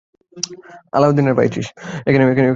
এখানে একটি ডাকঘর ও টেলিফোন এক্সচেঞ্জ অফিস গঠন করা হয়েছে।